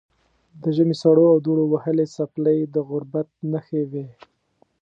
د ژمي سړو او دوړو وهلې څپلۍ د غربت نښې وې.